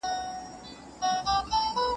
که وزن بېرته ترلاسه شي، د بدن جوړښت خرابېږي.